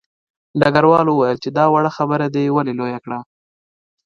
ډګروال وویل چې دا وړه خبره دې ولې لویه کړه